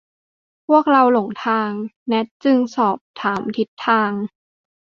พวกเราหลงทาง แนทจึงสอบถามทิศทาง